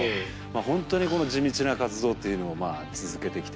本当にこの地道な活動っていうのを続けてきてですね